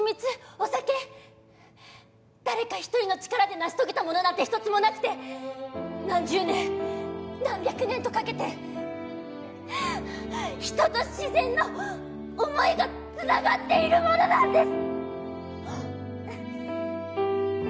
お酒誰か一人の力で成し遂げたものなんて一つもなくて何十年何百年とかけて人と自然の思いがつながっているものなんです！